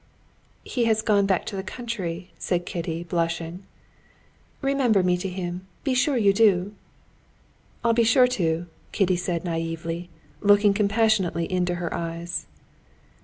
"He has gone back to the country," said Kitty, blushing. "Remember me to him, be sure you do." "I'll be sure to!" Kitty said naïvely, looking compassionately into her eyes.